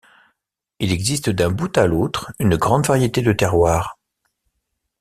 Il existe d'un bout à l'autre une grande variété de terroirs.